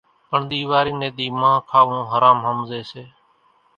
پڻ ۮيواري ني ۮِي مانۿ کاوون حرام ۿمزي سي